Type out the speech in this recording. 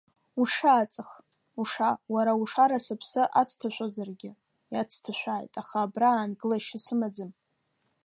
Уша аҵх, уша, уара ушара сыԥсы ацҭашәозаргьы, иацҭашәааит, аха абра аангылашьа сымаӡам.